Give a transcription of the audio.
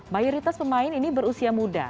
mayoritas pemain ini berusia muda